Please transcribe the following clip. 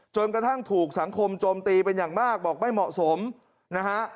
จนกระทั่งถูกสังคมโจมตีเป็นอย่างมากบอกไม่เหมาะสมนะฮะ